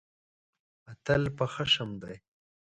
اتل په خښم دی.